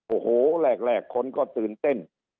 โอ้โหแรกคนก็ตื่นเต้น